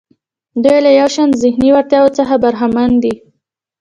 دوی له یو شان ذهني وړتیا څخه برخمن دي.